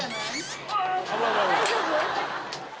大丈夫？